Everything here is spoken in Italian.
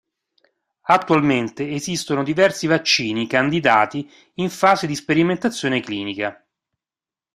Attualmente esistono diversi vaccini candidati in fase di sperimentazione clinica.